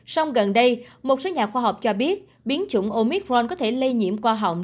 trong gần đây một số nhà khoa học cho biết biến chủng omicron có thể lây nhiễm qua hỏng